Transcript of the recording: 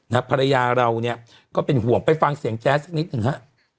ภรรยาเราเนี่ยก็เป็นห่วงไปฟังเสียงแจ๊สสักนิดหนึ่งฮะ